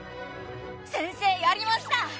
先生やりました！